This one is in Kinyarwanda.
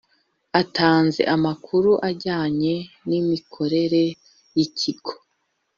atanze amakuru ajyanye n imikorere y ikigo